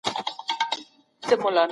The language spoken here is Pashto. شعري ارزښت حمله او وياړنه ده.